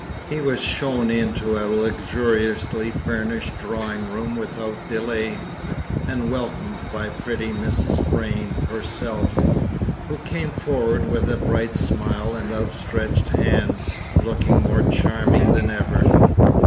He was shown into a luxuriously furnished drawing room without delay, and welcomed by pretty Mrs. Vrain herself, who came forward with a bright smile and outstretched hands, looking more charming than ever.